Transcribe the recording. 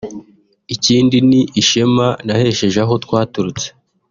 ikindi ni ishema nahesheje aho twaturutse